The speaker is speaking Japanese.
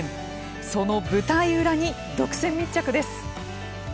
その舞台裏に独占密着です。